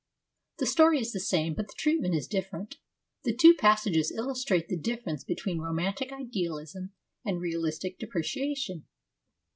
The story is the same, but the treatment is differ ent, and the two passages illustrate the difference between romantic idealism and realistic depreciation.